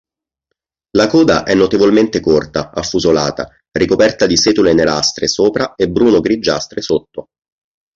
La coda è notevolmente corta, affusolata, ricoperta di setole nerastre sopra e bruno-grigiastre sotto.